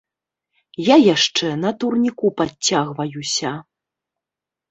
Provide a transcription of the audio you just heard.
Я яшчэ на турніку падцягваюся.